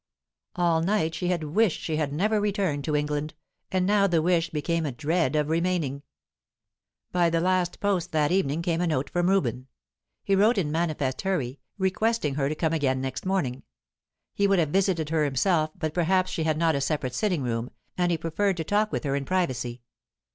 All night she had wished she had never returned to England, and now the wish became a dread of remaining. By the last post that evening came a note from Reuben. He wrote in manifest hurry, requesting her to come again next morning; he would have visited her himself, but perhaps she had not a separate sitting room, and he preferred to talk with her in privacy.